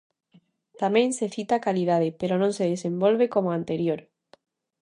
Tamén se cita a calidade, pero non se desenvolve como a anterior.